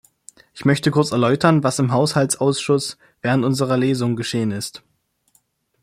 Ich möchte kurz erläutern, was im Haushaltsausschuss während unserer Lesung geschehen ist.